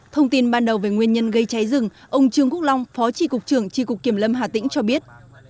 thông tin ban đầu về nguyên nhân gây cháy rừng ông trương quốc long phó tri cục trưởng tri cục kiểm lâm hà tĩnh cho biết